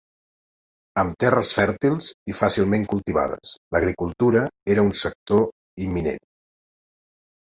Amb terres fèrtils i fàcilment cultivades, l'agricultura era un sector imminent.